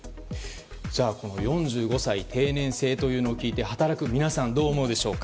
じゃあ、４５歳定年制というのを聞いて働く皆さん、どう思うでしょうか。